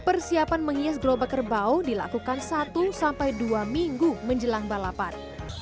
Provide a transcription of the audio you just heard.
persiapan menghias gerobak kerbau dilakukan satu sampai dua minggu menjelang balapan